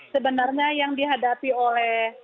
sebenarnya yang dihadapi oleh para buruh dan para pelayan